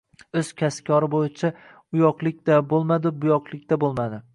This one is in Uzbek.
O’z kasb-kori bo‘yicha uyoqlik-da bo‘lmadi, buyoqlik-da bo‘lmadi.